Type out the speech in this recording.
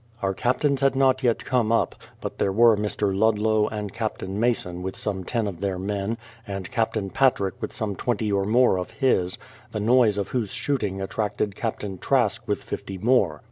Our captains had not yet come up; but there were Mr. Ludlow and Captain Mason with some ten of their men, and Captain Patrick with some twenty or more o£ his, the noise of whose shooting attracted Captain Trask with fifty more.